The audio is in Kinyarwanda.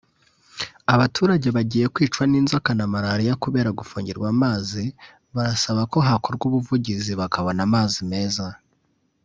abaturage bagiye kwicwa n’inzoka na malariya kubera gufungirwa amazi barasaba ko hakorwa ubuvugizi bakabona amazi meza